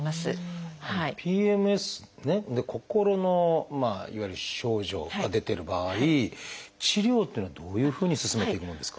ＰＭＳでね心のいわゆる症状が出てる場合治療っていうのはどういうふうに進めていくものですか？